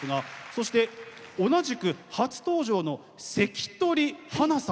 そして同じく初登場の「関取花」さん。